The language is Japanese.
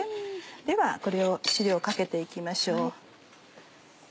では汁をかけて行きましょう。